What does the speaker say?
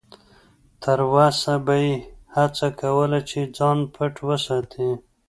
تر وسه به یې هڅه کوله چې ځان پټ وساتي.